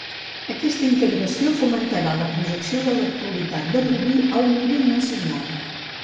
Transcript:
Aquesta integració fomentarà la projecció de l'actualitat de Rubí a un nivell nacional.